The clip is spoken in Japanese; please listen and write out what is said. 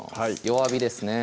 弱火ですね